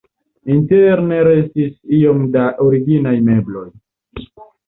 Interne restis iom da originaj mebloj.